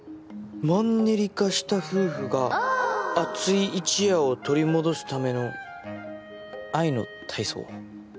「マンネリ化した夫婦が熱い一夜を取り戻す為の愛の体操」。